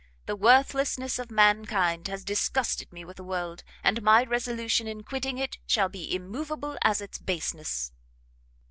The worthlessness of mankind has disgusted me with the world, and my resolution in quitting it shall be immoveable as its baseness."